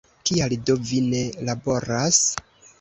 Kial do vi ne laboras?